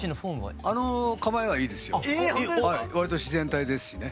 わりと自然体ですしね。